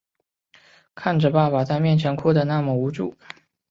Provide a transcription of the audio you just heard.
看着爸爸在面前哭的那么无助